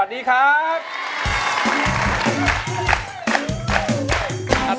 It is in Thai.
ร้องได้ให้ร้อง